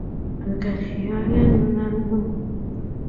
The "Alabama" outshot the "Kearsarge" two to one.